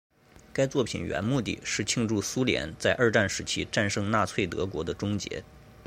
该作品原目的是庆祝苏联在二战时期战胜纳粹德国的终结。